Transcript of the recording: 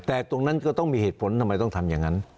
แต่ตรงนั้นก็ต้องมีเหตุผลทำไมต้องทำอย่างนั้น